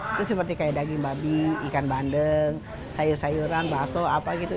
itu seperti kayak daging babi ikan bandeng sayur sayuran bakso apa gitu